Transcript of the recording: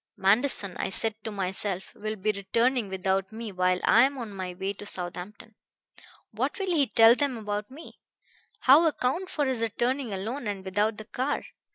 Manderson, I said to myself, will be returning without me while I am on my way to Southampton. What will he tell them about me? How account for his returning alone and without the car?